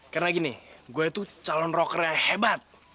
karena gini gw itu calon rockernya hebat